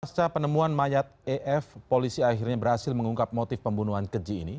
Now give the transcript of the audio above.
pasca penemuan mayat ef polisi akhirnya berhasil mengungkap motif pembunuhan keji ini